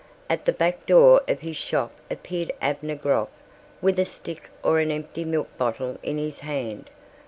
At the back door of his shop appeared Abner Groff with a stick or an empty milk bottle in his hand.